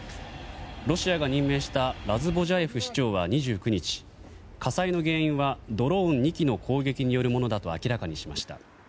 ロシアが任命したラズボジャエフ市長は２９日火災の原因はドローン２機の攻撃によるものだと明らかにしました。